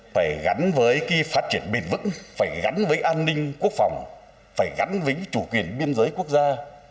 phải gắn với phát triển bền vững phải gắn với an ninh quốc phòng phải gắn với chủ quyền biên giới quốc gia